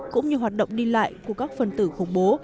cũng như hoạt động đi lại của các phần tử khủng bố